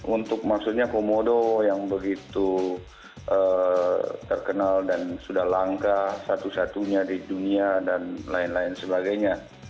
untuk maksudnya komodo yang begitu terkenal dan sudah langka satu satunya di dunia dan lain lain sebagainya